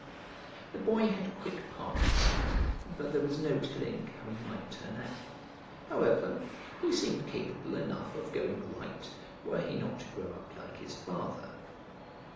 The boy had quick parts, but there was no telling how he might turn out; however, he seemed capable enough of going right, were he not to grow up like his father.